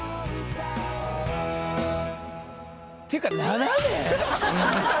っていうか７年！